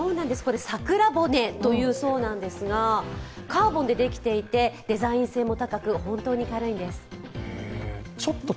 桜骨というそうなんですがカーボンでできていてデザイン性も高く本当に軽いんです。